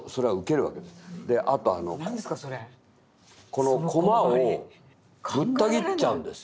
このコマをぶった切っちゃうんですよ。